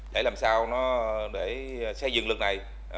để làm sao để xây dựng luật này